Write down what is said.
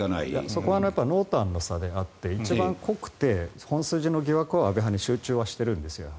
そこは濃淡の差であって一番濃くて本筋の疑惑は安倍派に集中はしてるんですよ。